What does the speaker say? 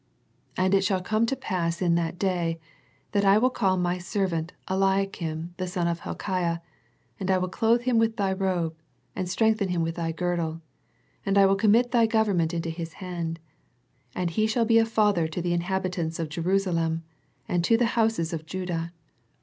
*' And it shall come to pass in that day, that I will call My servant Eliakim the son of Hilkiah : and I will clothe him with Thy robe, and strengthen him with Thy girdle, and I will commit Thy government into his hand: and he shall be a father to the inhabitants of Je rusalem, and to the house of Judah."